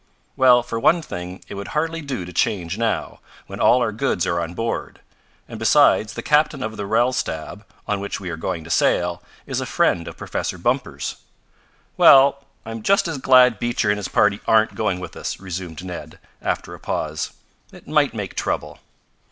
"Well, for one thing it would hardly do to change now, when all our goods are on board. And besides, the captain of the Relstab, on which we are going to sail, is a friend of Professor Bumper's." "Well, I'm just as glad Beecher and his party aren't going with us," resumed Ned, after a pause. "It might make trouble."